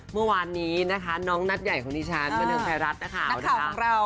เมื่อวานนี้นะคะน้องนัทใหญ่ของนิชชันมนุษย์ไฟรัสน้าข่าวนะคะ